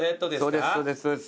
そうですそうです。